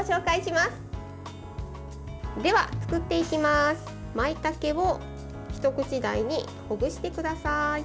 まいたけを一口大にほぐしてください。